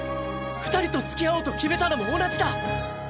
二人とつきあおうと決めたのも同じだ。